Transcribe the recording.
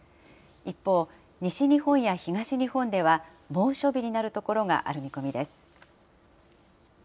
一方、西日本や東日本では猛暑日になる所がある見込みです。